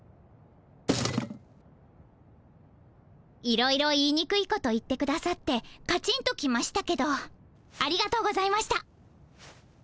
いろいろ言いにくいこと言ってくださってカチンときましたけどありがとうございました。